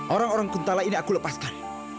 orang orang kuntala ini aku lepaskan